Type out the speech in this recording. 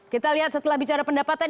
kita lihat setelah bicara pendapatan